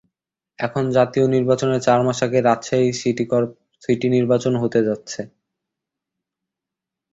এখন জাতীয় নির্বাচনের চার মাস আগে রাজশাহী সিটি নির্বাচন হতে যাচ্ছে।